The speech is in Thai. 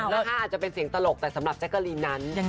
อาจจะเป็นเสียงตลกแต่สำหรับแจ๊กกะลีนนั้น